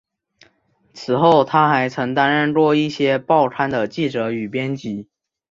此后他还曾担任过一些报刊的记者与编辑。